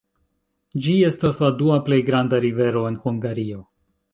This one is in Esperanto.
Ĝi estas la dua plej granda rivero en Hungario.